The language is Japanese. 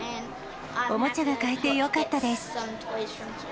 おもちゃが買えてよかったです。